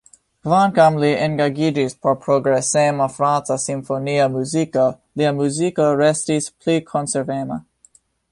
Kvankam li engaĝiĝis por progresema franca simfonia muziko, lia muziko restis pli konservema.